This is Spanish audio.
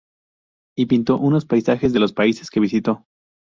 Y pintó unos paisajes de los países que visitó.